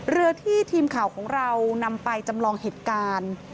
เรือที่ทีมข่าวของเรานำไปจำลองเหตุการณ์